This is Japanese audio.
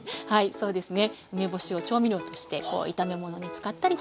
そうですね。